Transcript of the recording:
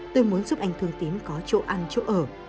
tôi muốn giúp anh thương tín có chỗ ăn chỗ ở